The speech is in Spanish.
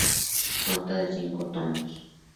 Consta de cinco tomos.